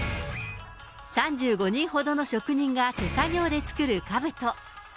３５人ほどの職人が手作業で作るかぶと。